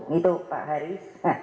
gitu pak haris